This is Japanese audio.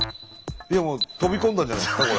もう飛び込んだんじゃないですかこれ。